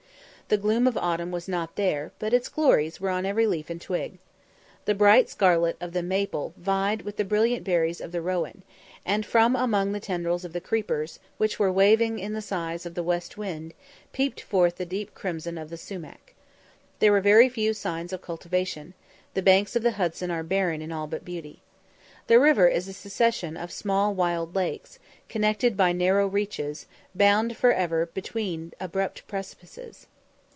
The gloom of autumn was not there, but its glories were on every leaf and twig. The bright scarlet of the maple vied with the brilliant berries of the rowan, and from among the tendrils of the creepers, which were waving in the sighs of the west wind, peeped forth the deep crimson of the sumach. There were very few signs of cultivation; the banks of the Hudson are barren in all but beauty. The river is a succession of small wild lakes, connected by narrow reaches, bound for ever between abrupt precipices.